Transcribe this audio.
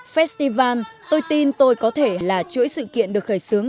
festival tôi tin tôi có thể là chuỗi sự kiện được khởi xướng